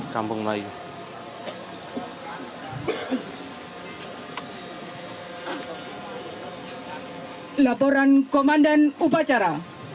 laporan komandan upacara